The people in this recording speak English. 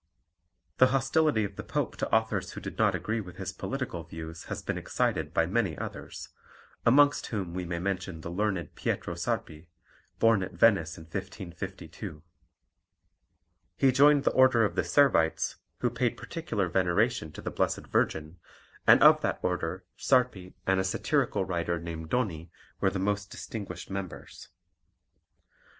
The hostility of the Pope to authors who did not agree with his political views has been excited by many others, amongst whom we may mention the learned Pietro Sarpi, born at Venice in 1552. He joined the order of the Servites, who paid particular veneration to the Blessed Virgin, and of that order Sarpi and a satirical writer named Doni were the most distinguished members.